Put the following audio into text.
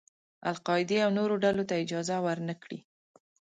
القاعدې او نورو ډلو ته اجازه ور نه کړي.